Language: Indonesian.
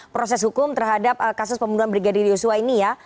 proses hukum terhadap kasus pembunuhan brigadir yosua ini ya